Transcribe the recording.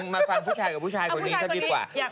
มาฟังผู้ชายกับผู้ชายคนนี้ซะดีกว่า